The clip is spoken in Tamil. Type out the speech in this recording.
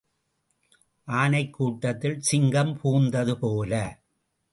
ஆனைக் கூட்டத்தில் சிங்கம் புகுந்தது போல.